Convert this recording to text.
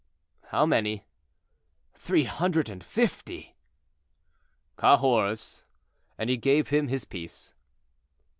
"How many?" "Three hundred and fifty." "Cahors;" and he gave him his piece.